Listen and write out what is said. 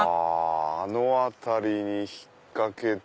あの辺りに引っかけて。